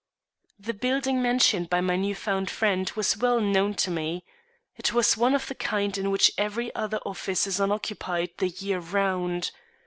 THE building mentioned by my new found friend was well known to me. It was one of the kind in which every other office is unoccupied the year round.